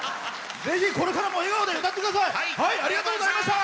ぜひ、これからも笑顔で歌ってください！